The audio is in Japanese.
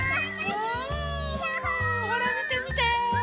ほらみてみて。